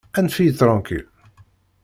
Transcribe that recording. Anef-iyi ṭṛankil!